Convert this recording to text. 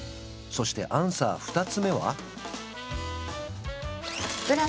そしてアンサー２つ目は？